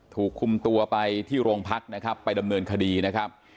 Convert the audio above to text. ถูกคุมตัวไปที่โรงพักนะครับไปดำเนินคดีนะครับ